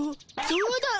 そうだ！